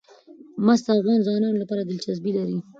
مس د افغان ځوانانو لپاره دلچسپي لري.